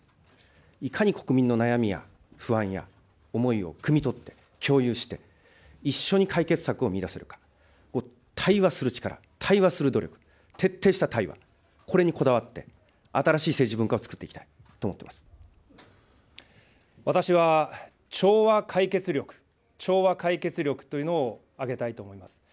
いかに国民の悩みや不安や思いをくみ取って、共有して、一緒に解決策を見いだせるか、対話する力、対話する努力、徹底した対話、これにこだわって新しい政治文化をつくっていきたいと思っていま私は調和解決力、調和解決力というのを挙げたいと思います。